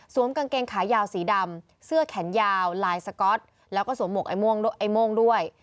กางเกงขายาวสีดำเสื้อแขนยาวลายสก๊อตแล้วก็สวมหวกไอ้โม่งด้วย